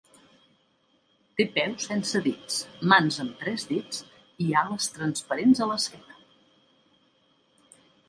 Té peus sense dits, mans amb tres dits i ales transparents a l'esquena.